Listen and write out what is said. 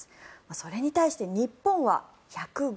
それに対して日本は１０５。